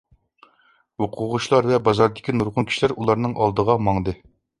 ئوقۇغۇچىلار ۋە بازاردىكى نۇرغۇن كىشىلەر ئۇلارنىڭ ئالدىغا ماڭدى.